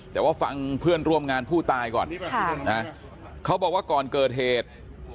แต่ว่าฟังเพื่อนร่วมงานผู้ตายก่อนเขาบอกว่าก่อนเกิดเหตุ